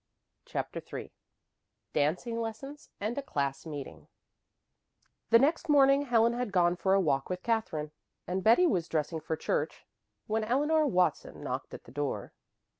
CHAPTER III DANCING LESSONS AND A CLASS MEETING The next morning Helen had gone for a walk with Katherine, and Betty was dressing for church, when Eleanor Watson knocked at the door.